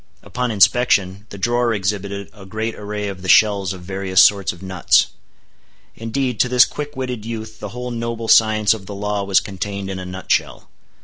Upon inspection, the drawer exhibited a great array of the shells of various sorts of nuts. Indeed, to this quick witted youth the whole noble science of the law was contained in a nut shell.